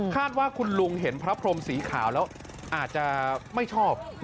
ว่าคุณลุงเห็นพระพรมสีขาวแล้วอาจจะไม่ชอบ